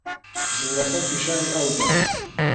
ژوورەکەم پیشانی ئەو دا.